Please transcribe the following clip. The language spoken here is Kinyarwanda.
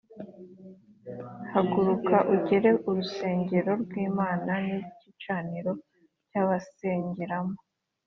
“Haguruka ugere urusengero rw’Imana n’igicaniro n’abasengeramo,